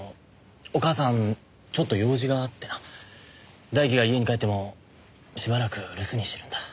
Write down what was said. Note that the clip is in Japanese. お母さんちょっと用事があってな大輝が家に帰ってもしばらく留守にしてるんだ。